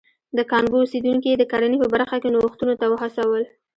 د کانګو اوسېدونکي یې د کرنې په برخه کې نوښتونو ته وهڅول.